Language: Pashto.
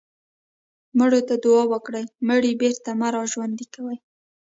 مړو ته دعا وکړئ مړي بېرته مه راژوندي کوئ.